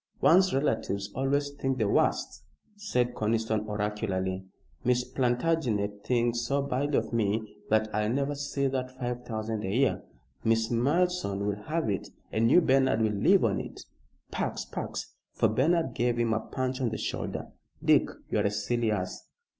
"One's relatives always think the worst," said Conniston, oracularly. "Miss Plantagenet thinks so badly of me that I'll never see that five thousand a year. Miss Malleson will have it, and you, Bernard, will live on it. Pax! Pax!" for Bernard gave him a punch on the shoulder. "Dick, you're a silly ass!